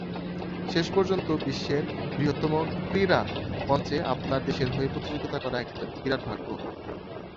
শেষ পর্যন্ত, বিশ্বের বৃহত্তম ক্রীড়া মঞ্চে আপনার দেশের হয়ে প্রতিযোগিতা করা এক বিরাট ভাগ্য।